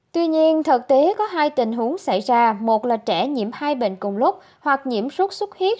tuy nhiên thực tế có hai tình huống xảy ra một là trẻ nhiễm hai bệnh cùng lúc hoặc nhiễm sốt xuất huyết